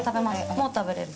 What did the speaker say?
もう食べれる？